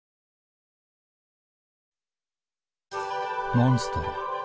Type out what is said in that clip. モンストロ。